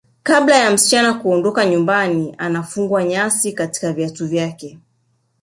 Kabla ya msichana kuondoka nyumbani anafungwa nyasi katika viatu vyake